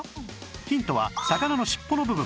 ヒントは魚の尻尾の部分